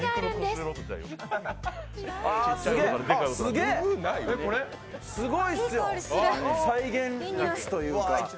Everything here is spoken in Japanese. すごいっすよ、再現率というか。